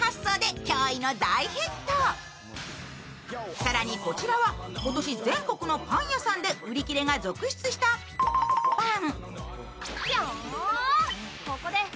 更にこちらは、ことし全国のパン屋さんで売り切れが続出した○○パン。